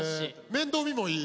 面倒見もいい？